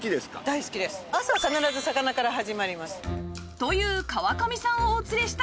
という川上さんをお連れしたのはこちら！